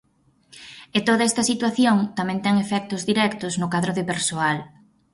E toda esta situación tamén ten efectos directos no cadro de persoal.